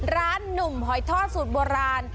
หนุ่มหอยทอดสูตรโบราณ